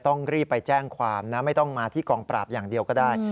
ต้องรีบไปแจ้งความนะไม่ต้องมาที่กองปราบอย่างเดียวก็ได้